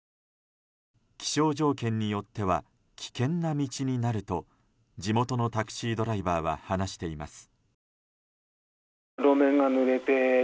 気象条件によっては危険な道になると地元のタクシードライバーは話しています。